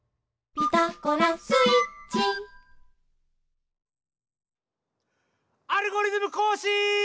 「ピタゴラスイッチ」「アルゴリズムこうしん」！